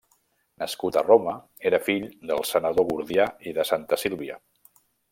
Nascut a Roma, era fill del senador Gordià i de Santa Sílvia.